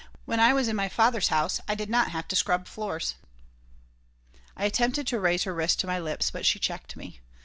When I was in my father's house I did not have to scrub floors." I attempted to raise her wrist to my lips, but she checked me.